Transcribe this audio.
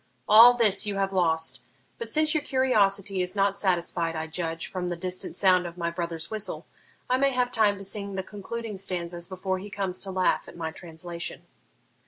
All this you have lost; but, since your curiosity is not satisfied, I judge, from the distant sound of my brother's whistle, I may have time to sing the concluding stanzas before he comes to laugh at my translation.'